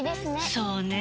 そうねぇ。